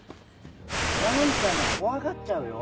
わんちゃんが怖がっちゃうよ。